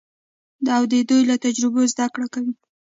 او د دوی له تجربو زده کړه کوي.